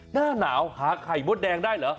หน้าหนาวหาไข่มดแดงได้เหรอ